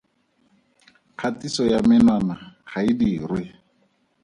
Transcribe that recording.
Kgatiso ya menwana ga e dirwe.